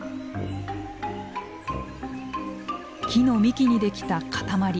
木の幹に出来た塊。